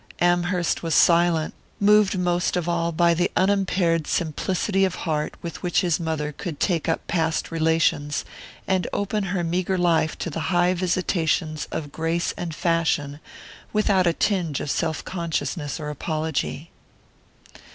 Amherst was silent, moved most of all by the unimpaired simplicity of heart with which his mother could take up past relations, and open her meagre life to the high visitations of grace and fashion, without a tinge of self consciousness or apology.